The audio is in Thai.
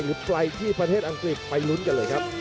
ไปที่ประเทศอังกฤษไปลุ้นกันเลยครับ